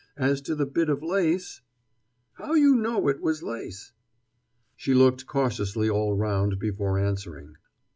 As to the bit of lace " "How you know it was lace?" She looked cautiously all round before answering.